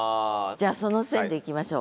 じゃあその線でいきましょう。